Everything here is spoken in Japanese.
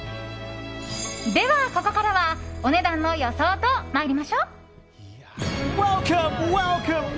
では、ここからはお値段の予想とまいりましょう！